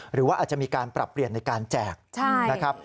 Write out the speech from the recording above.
หรือว่าอาจจะมีการปรับเปลี่ยนในการแจกนะครับ